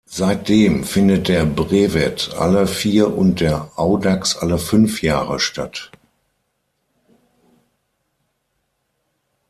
Seitdem findet der Brevet alle vier und der Audax alle fünf Jahre statt.